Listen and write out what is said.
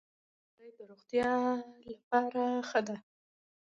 د وربشو ډوډۍ د روغتیا لپاره ښه ده.